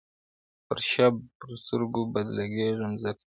پر شب پرستو بدلګېږم ځکه,